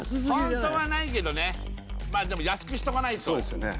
ホントはないけどねまあでも安くしとかないとそうですよね